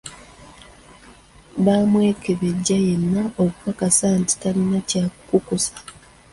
Bamwekebejja yenna okukakasa nti talina kyakukusa.